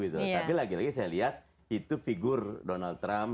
tapi lagi lagi saya lihat itu figur donald trump